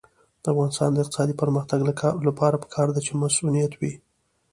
د افغانستان د اقتصادي پرمختګ لپاره پکار ده چې مصونیت وي.